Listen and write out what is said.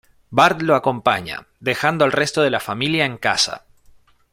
Bart lo acompaña, dejando al resto de la familia en casa.